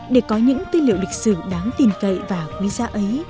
để có những tư liệu lịch sử đáng tin cậy và quý giá ấy